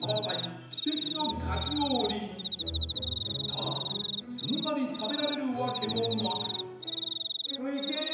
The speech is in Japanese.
［ただすんなり食べられるわけもなく］食いてえ。